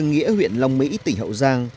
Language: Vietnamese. từng nghĩa huyện long mỹ tỉnh hậu giang